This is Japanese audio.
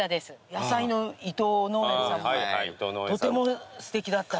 野菜の伊藤農園さんもとてもすてきだったし。